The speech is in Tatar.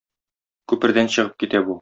Күпердән чыгып китә бу.